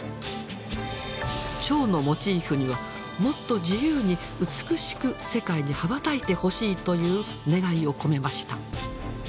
蝶のモチーフにはもっと自由に美しく世界に羽ばたいてほしいという願いを込めました。